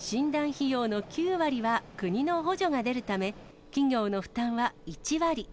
費用の９割は国の補助が出るため、企業の負担は１割。